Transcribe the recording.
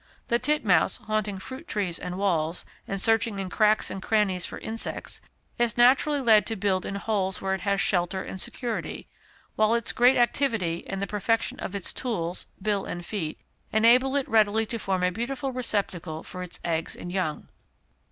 The titmouse, haunting fruit trees and walls, and searching in cracks and crannies for insects, is naturally led to build in holes where it has shelter and security; while its great activity, and the perfection of its tools (bill and feet), enable it readily to form a beautiful receptacle for its eggs and young.